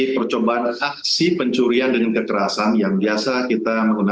percobaan aksi pencurian dengan kekerasan yang biasa kita menggunakan